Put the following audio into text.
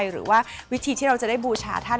หรือว่าวิธีที่เราจะได้บูชาท่าน